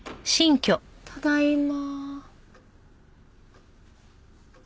ただいま。